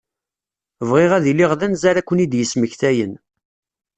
Bɣiɣ ad iliɣ d anza ara ken-id-yesmektayen.